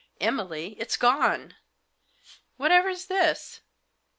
Emily, it's gone ! Whatever's this?